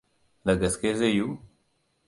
Da gaske zai yiwu?